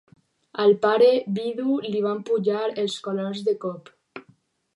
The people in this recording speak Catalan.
Al pare vidu li van pujar els colors de cop.